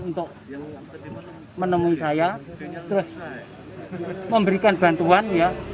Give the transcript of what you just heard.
untuk menemui saya terus memberikan bantuan ya